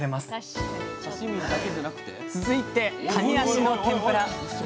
続いてかに脚の天ぷら。